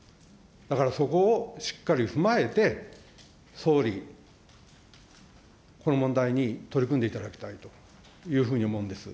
だから、そこをしっかり踏まえて、総理、この問題に取り組んでいただきたいというふうに思うんです。